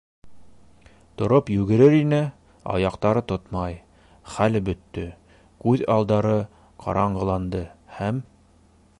- Тороп йүгерер ине, аяҡтары тотмай, хәле бөттө, күҙ алдары ҡараңғыланды һәм...